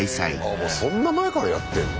あもうそんな前からやってんの？